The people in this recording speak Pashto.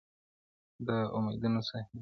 د امیدونو ساحل-